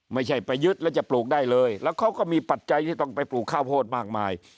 ไม่ใช่ไปยึดแล้วจะปลูกได้เลยแล้วเขาก็มีปัจจัยที่ต้องไปปลูกข้าวโพดมากมาย